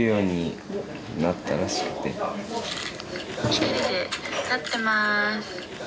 「一人で立ってます。